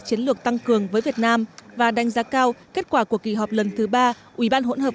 chiến lược tăng cường với việt nam và đánh giá cao kết quả của kỳ họp lần thứ ba ủy ban hỗn hợp